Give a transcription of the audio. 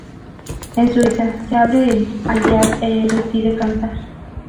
En Suiza, se abre al jazz e decide cantar.